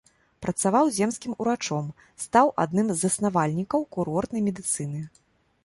Працаваў земскім урачом, стаў адным з заснавальнікаў курортнай медыцыны.